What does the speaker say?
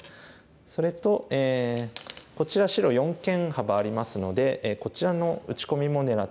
それとこちら白四間幅ありますのでこちらの打ち込みも狙っていますね。